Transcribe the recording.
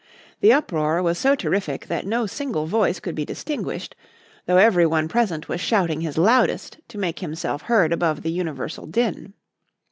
The uproar was so terrific that no single voice could be distinguished, though every one present was shouting his loudest to make himself heard above the universal din.